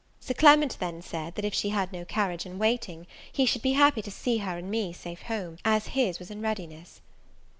Sir Clement then said, that if she had no carriage in waiting, he should be happy to see her and me safe home, as his was in readiness.